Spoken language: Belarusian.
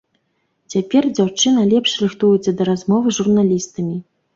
Цяпер дзяўчына лепш рыхтуецца да размовы з журналістамі.